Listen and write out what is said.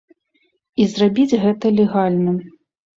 І зрабіць гэта легальна.